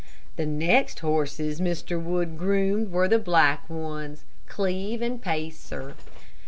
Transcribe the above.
The next horses Mr. Wood groomed were the black ones, Cleve and Pacer.